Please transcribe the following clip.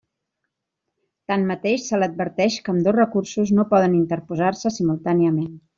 Tanmateix, se l'adverteix que ambdós recursos no poden interposar-se simultàniament.